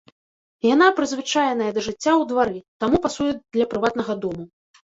Яна прызвычаеная да жыцця ў двары, таму пасуе для прыватнага дому.